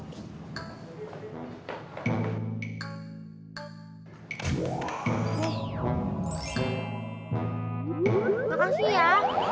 terima kasih ya